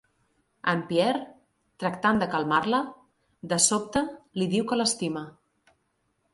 En Pierre, tractant de calmar-la, de sobte li diu que l'estima.